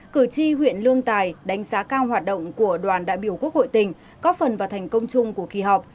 cử tri huyện lương tài đánh giá cao hoạt động của đoàn đại biểu quốc hội tỉnh góp phần vào thành công chung của kỳ họp